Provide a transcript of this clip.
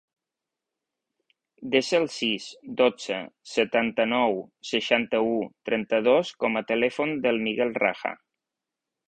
Desa el sis, dotze, setanta-nou, seixanta-u, trenta-dos com a telèfon del Miguel Raja.